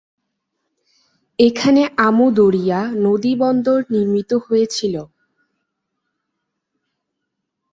এখানে আমু দরিয়া নদীবন্দর নির্মিত হয়েছিল।